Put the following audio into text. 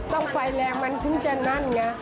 ต้องไฟแรงมันถึงจะนั่นไง